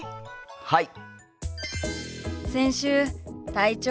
はい！